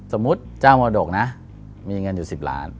สมมุติเจ้ามรดกนะมีเงินอยู่๑๐ล้าน